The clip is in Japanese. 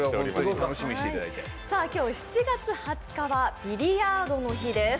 今日７月２０日はビリヤードの日です。